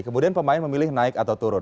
kemudian pemain memilih naik atau turun